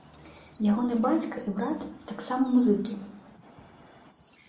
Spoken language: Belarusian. Ягоны бацька і брат таксама музыкі.